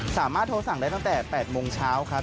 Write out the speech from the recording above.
สามารถโทรสั่งได้ตั้งแต่๘โมงเช้าครับ